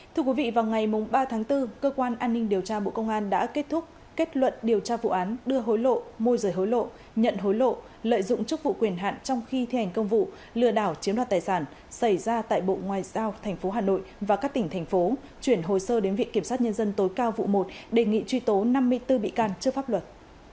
thưa quý vị vào ngày ba tháng bốn cơ quan an ninh điều tra bộ công an đã kết thúc kết luận điều tra vụ án đưa hối lộ môi rời hối lộ nhận hối lộ lợi dụng chức vụ quyền hạn trong khi thi hành công vụ lừa đảo chiếm đoạt tài sản xảy ra tại bộ ngoại giao tp hà nội và các tỉnh thành phố chuyển hồi sơ đến vị kiểm sát nhân dân tối cao vụ một đề nghị truy tố năm mươi bốn bị can trước pháp luật